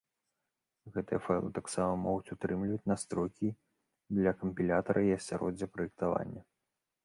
Гэтыя файлы таксама могуць утрымліваць настройкі для кампілятара і асяроддзя праектавання.